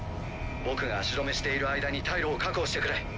僕が足止めしている間に退路を確保してくれ。